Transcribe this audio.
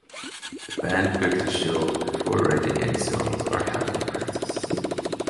The band booked a show before writing any songs or having a practice.